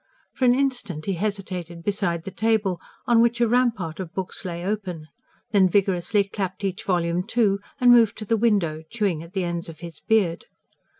For an instant he hesitated beside the table, on which a rampart of books lay open, then vigorously clapped each volume to and moved to the window, chewing at the ends of his beard.